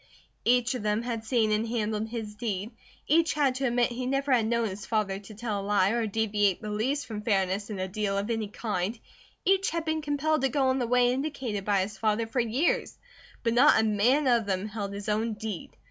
Each of them had seen and handled his deed, each had to admit he never had known his father to tell a lie or deviate the least from fairness in a deal of any kind, each had been compelled to go in the way indicated by his father for years; but not a man of them held his own deed.